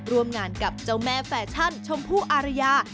ร่วมงานกับเจ้าแม่แฟชั่นชมพู่อารยา